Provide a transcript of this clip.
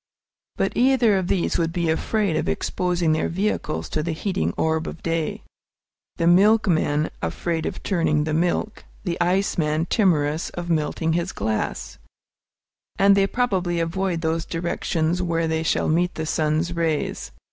But either of these would be afraid of exposing their vehicles to the heating orb of day, the milkman afraid of turning the milk, the ice man timorous of melting his ice, and they probably avoid those directions where they shall meet the sun's rays.